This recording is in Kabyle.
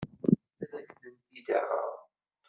Ad ak-tent-id-aɣeɣ.